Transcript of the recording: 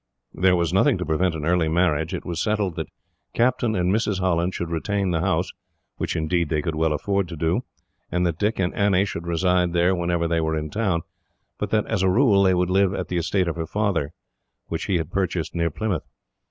There was nothing to prevent an early marriage. It was settled that Captain and Mrs. Holland should retain the house, which indeed they could well afford to do, and that Dick and Annie should reside there whenever they were in town, but that, as a rule, they would live at the estate her father had purchased, near Plymouth.